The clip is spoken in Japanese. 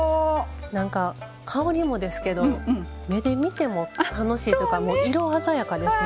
なんか香りもですけど目で見ても楽しいというか色鮮やかですね。